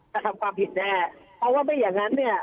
กระทำความผิดแน่เพราะว่าไม่อย่างนั้นเนี่ย